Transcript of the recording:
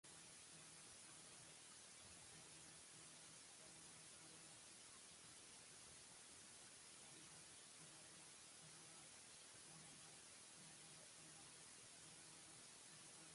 Sɛ amun nin a diman fie fɔkɔ lɔ deʼn, amun su siman kɛ kanga di awieʼn.